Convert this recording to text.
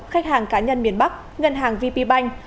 khách hàng cá nhân miền bắc ngân hàng vp bank